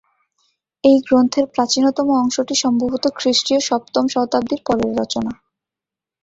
এই গ্রন্থের প্রাচীনতম অংশটি সম্ভবত খ্রিস্টীয় সপ্তম শতাব্দীর পরের রচনা।